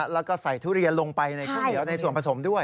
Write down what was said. แล้วก็ใส่ทุเรียนลงไปในข้าวเหนียวในส่วนผสมด้วย